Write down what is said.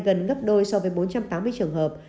gần gấp đôi so với bốn trăm tám mươi trường hợp